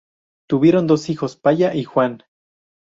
Tuvieron dos hijos, Palla y Juan.